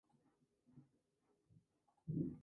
No hay noticias de su distribución en Asia.